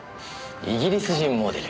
イギリス人モデル。